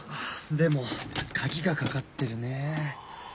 でも鍵がかかってるねえ。